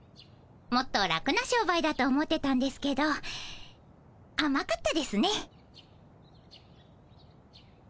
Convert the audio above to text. もっと楽な商売だと思ってたんですけどあまかったですね。